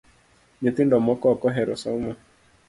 Nyithindo moko ok ohero somo